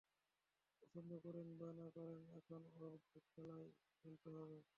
পছন্দ করেন বা না করেন, এখন ওর খেলাই খেলতে হবে।